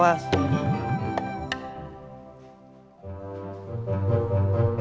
kasih kasih kasih